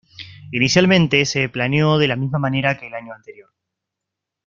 Inicialmente se planeó de la misma manera que el año anterior.